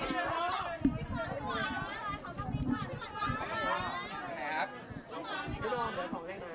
ไม่ได้หยัดแล้วนะ